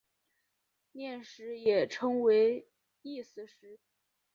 念食也称为意思食。